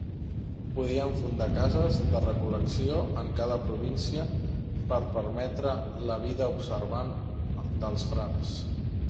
Podien fundar cases de recol·lecció en cada província per permetre la vida observant dels frares.